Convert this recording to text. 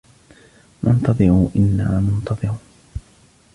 وانتظروا إنا منتظرون